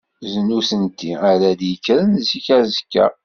D nutenti ara d-yekkren zik azekka.